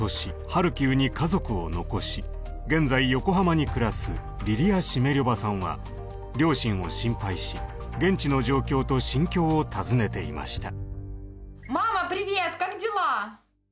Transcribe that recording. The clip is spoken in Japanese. ハルキウに家族を残し現在横浜に暮らすリリア・シメリョヴァさんは両親を心配し現地の状況と心境を尋ねていました。